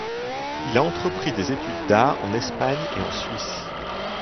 Il a entrepris des études d'art en Espagne et en Suisse.